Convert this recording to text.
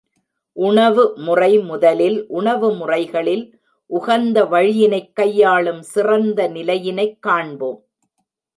உணவு முறை முதலில் உணவு முறைகளில் உகந்த வழியினைக் கையாளும் சிறந்த நிலையினைக் காண்போம்.